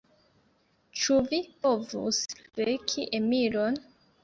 Ĉu vi povus veki Emilon?